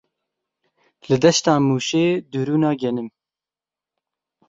Li deşta Mûşê dirûna genim.